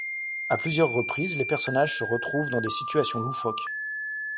À plusieurs reprises, les personnages se retrouvent dans des situations loufoques.